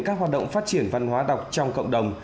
các hoạt động phát triển văn hóa đọc trong cộng đồng